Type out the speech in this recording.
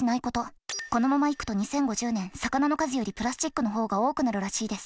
このままいくと２０５０年魚の数よりプラスチックの方が多くなるらしいです。